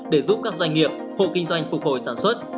để giúp các doanh nghiệp hộ kinh doanh phục hồi sản xuất